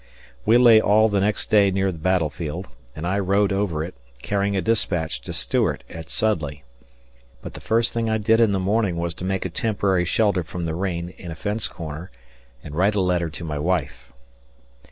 We lay all the next day near the battlefield, and I rode over it, carrying a despatch to Stuart at Sudley. But the first thing I did in the morning was to make a temporary shelter from the rain in a fence corner and write a letter to my wife.